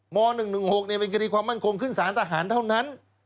ม๑๑๖เป็นคดีความมั่นคงขึ้นสารทหารเท่านั้น